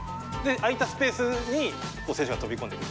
空いたスペースに選手が飛び込んでくる。